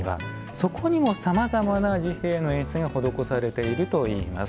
そこにもさまざまな治兵衛の演出が施されているといいます。